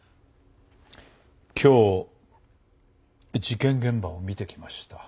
今日事件現場を見てきました。